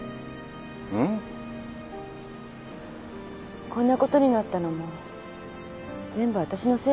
うん？こんなことになったのも全部わたしのせいよ。